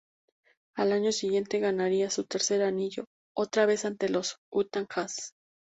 Al año siguiente ganaría su tercer anillo, otra vez ante los Utah Jazz.